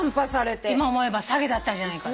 今思えば詐欺だったんじゃないか。